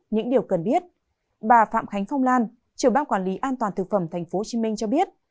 những điều cần biết bà phạm khánh phong lan trưởng ban quản lý an toàn thực phẩm tp hcm cho biết